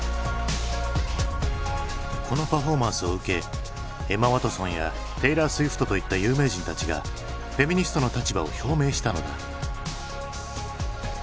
このパフォーマンスを受けエマ・ワトソンやテイラー・スウィフトといった有名人たちがフェミニストの立場を表明したのだ。